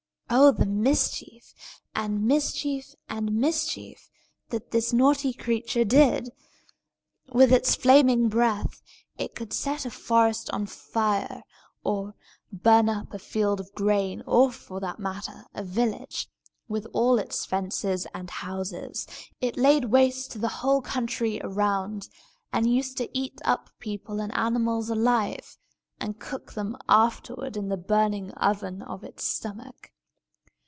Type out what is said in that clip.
Oh, the mischief, and mischief, and mischief that this naughty creature did! With its flaming breath, it could set a forest on fire, or burn up a field of grain, or, for that matter, a village, with all its fences and houses. It laid waste the whole country round about, and used to eat up people and animals alive, and cook them afterward in the burning oven of its stomach.